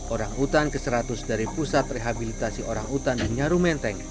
orangutan ke seratus dari pusat rehabilitasi orangutan di nyarumenteng